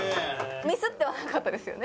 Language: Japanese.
ミスってはなかったですよね？